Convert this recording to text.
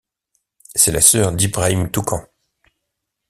C'est la sœur d'Ibrahim Touqan.